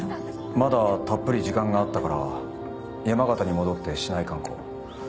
まだたっぷり時間があったから山形に戻って市内観光を。